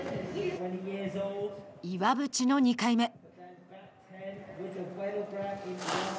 岩渕の２回目。